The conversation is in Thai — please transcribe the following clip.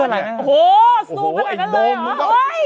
โอ้โฮสูงไปไปด้วยหรอก